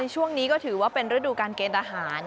ช่วงนี้ก็ถือว่าเป็นฤดูการเกณฑ์ทหาร